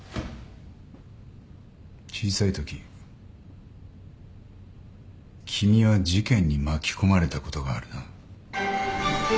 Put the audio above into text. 小さいとき君は事件に巻き込まれたことがあるな。